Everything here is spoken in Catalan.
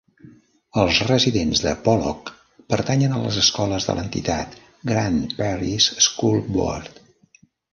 Els residents de Pollock pertanyen a les escoles de l'entitat Grant Parish School Board.